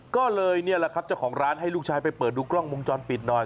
ก็เลยนี่แหละครับเจ้าของร้านให้ลูกชายไปเปิดดูกล้องวงจรปิดหน่อย